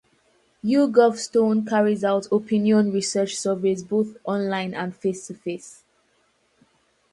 YouGovStone carries out opinion research surveys both online and face-to-face.